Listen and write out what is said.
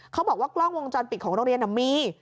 เขาบอกว่ากล้องวงจรปิดของโรงเรียนมี